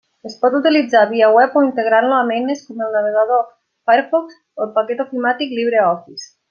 Es pot utilitzar via web o integrant-lo amb eines com el navegador Firefox o el paquet ofimàtic LibreOffice.